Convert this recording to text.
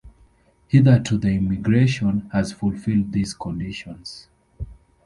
Hitherto the immigration has fulfilled these conditions.